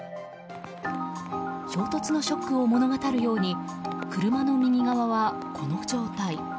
衝突のショックを物語るように車の右側は、この状態。